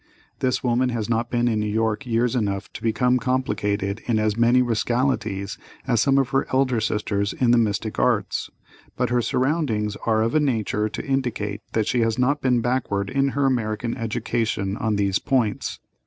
This woman has not been in New York years enough to become complicated in as many rascalities as some of her elder sisters in the mystic arts, but her surroundings are of a nature to indicate that she has not been backward in her American education on these points.